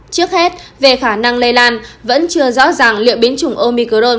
trước hết về khả năng lây lan vẫn chưa rõ ràng liệu biến chủng omicron